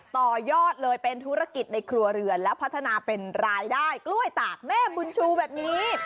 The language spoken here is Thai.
ต่อยอดเลยเป็นธุรกิจในครัวเรือนแล้วพัฒนาเป็นรายได้กล้วยตากแม่บุญชูแบบนี้